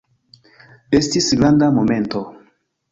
Estis granda momento!